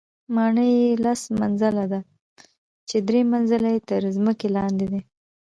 ماڼۍ یې لس منزله ده، چې درې منزله یې تر ځمکې لاندې دي.